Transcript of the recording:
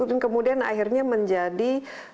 dan kemudian akhirnya menjadi